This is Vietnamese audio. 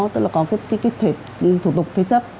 tức là có cái thủ tục thế chấp